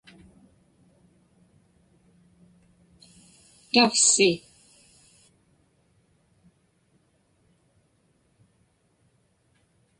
tavsi